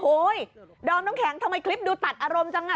ดอมน้ำแข็งทำไมคลิปดูตัดอารมณ์จังอ่ะ